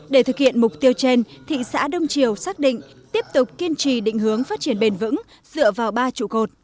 để thực hiện mục tiêu trên thị xã đông triều xác định tiếp tục kiên trì định hướng phát triển bền vững dựa vào ba trụ cột